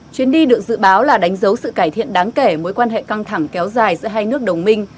chuyến đi được dự báo là đánh dấu sự cải thiện đáng kể mối quan hệ căng thẳng kéo dài giữa hai nước đồng minh